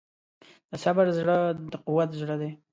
د صبر زړه د قوت زړه دی.